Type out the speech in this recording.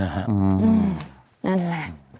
นั่นแหละ